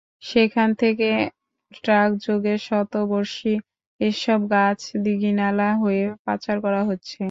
সেখান থেকে থেকে ট্রাকযোগে শতবর্ষী এসব গাছ দীঘিনালা হয়ে পাচার করা হচ্ছে।